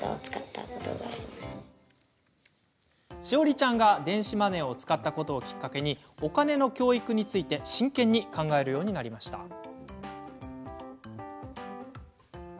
志織ちゃんが電子マネーを使ったことをきっかけにお金の教育について真剣に考えるようになりました。